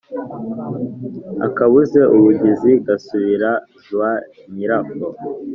Akabuze ubuguzi gasubira (zwa) nyirako.